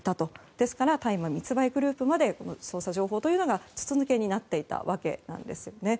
ですから、大麻密売グループまで捜査情報というのが筒抜けになっていたわけなんです。